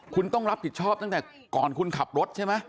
คุณต้องรับผิดชอบตั้งแต่ก่อนคุณขับรถใช่ไหม